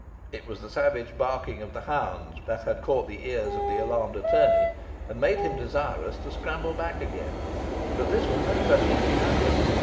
It was the savage barking of the hounds that had caught the ears of the alarmed attorney, and made him desirous to scramble back again. But this was no such easy matter.